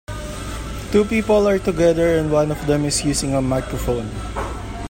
Two people are together and one of them is using a microphone.